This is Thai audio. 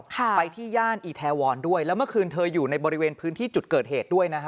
ไปที่ย่านอีแทวรด้วยแล้วเมื่อคืนเธออยู่ในบริเวณพื้นที่จุดเกิดเหตุด้วยนะฮะ